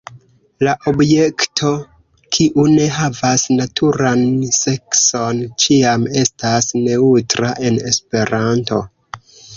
La objekto kiu ne havas naturan sekson ĉiam estas neŭtra en Esperanto.